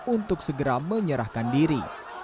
untuk segera menyerahkan diri